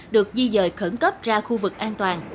được di dời khẩn cấp ra khu vực an toàn